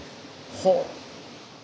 ほう！